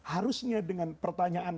harusnya dengan pertanyaan